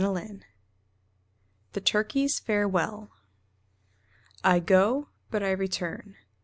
C._ THE TURKEY'S FAREWELL. I go, but I return.